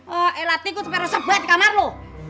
eh elah tikus perasa buah di kamar lo